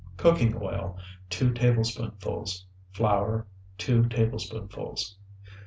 Cooking oil, 2 tablespoonfuls. Flour, 2 tablespoonfuls.